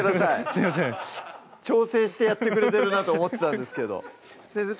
すいません調整してやってくれてるなと思ってたんですけど先生